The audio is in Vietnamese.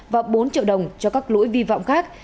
và bốn triệu đồng cho các lỗi vi phạm khác